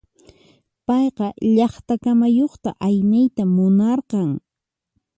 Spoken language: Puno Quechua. Payqa llaqta kamayuqta ayniyta munarqan.